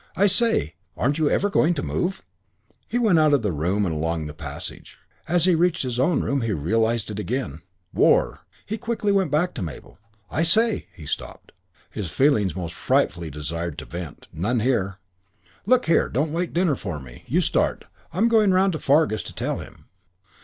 "I say, aren't you ever going to move?" He went out of the room and along the passage. As he reached his own room he realised it again. "War " He went quickly back to Mabel. "I say " He stopped. His feelings most frightfully desired some vent. None here. "Look here. Don't wait dinner for me. You start. I'm going round to Fargus to tell him."